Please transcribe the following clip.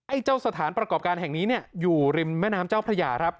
เจ้าสถานประกอบการแห่งนี้อยู่ริมแม่น้ำเจ้าพระยาครับ